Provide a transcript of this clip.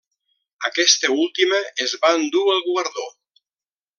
Aquesta última es va endur el guardó.